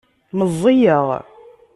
Meẓẓiyeɣ.